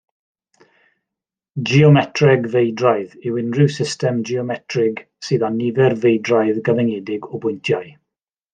Geometreg feidraidd yw unrhyw system geometrig sydd â nifer feidraidd, gyfyngedig o bwyntiau.